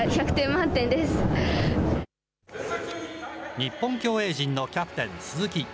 日本競泳陣のキャプテン、鈴木。